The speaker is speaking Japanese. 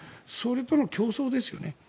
それとの競争ですよね。